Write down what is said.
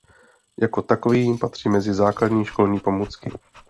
Jako takový patří mezi základní školní pomůcky.